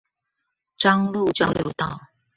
彰鹿交流道